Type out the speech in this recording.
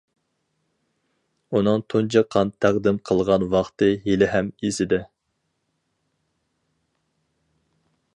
ئۇنىڭ تۇنجى قان تەقدىم قىلغان ۋاقتى ھېلىھەم ئېسىدە.